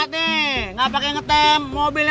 betul betul betul